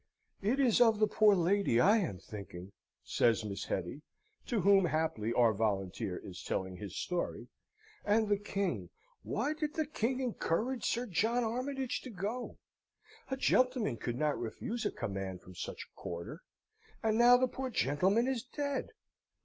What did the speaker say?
"It is of the poor lady I am thinking," says Miss Hetty (to whom haply our volunteer is telling his story); "and the King. Why did the King encourage Sir John Armytage to go? A gentleman could not refuse a command from such a quarter. And now the poor gentleman is dead!